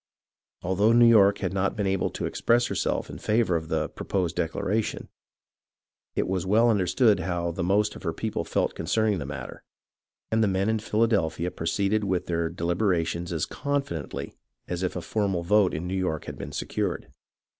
Although New York had not been able to express herself in favour of the pro posed declaration, it was well understood how the most of her people felt concerning the matter, and the men in Philadelphia proceeded with their deliberations as confi dently as if a formal vote in New York had been secured.